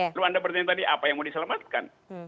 lalu anda bertanya tadi apa yang mau diselamatkan